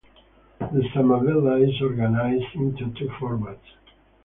The "Samaveda" is organized into two formats.